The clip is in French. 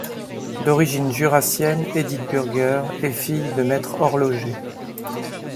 D'origine jurassienne, Édith Burger est fille de maître horloger.